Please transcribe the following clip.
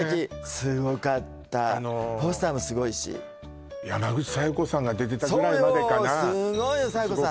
すごかったポスターもすごいし山口小夜子さんが出てたぐらいまでかなすごいよ小夜子さん